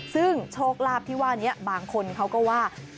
ซึ่งโชคลาภที่ว่านี้บางคนเขาก็ว่า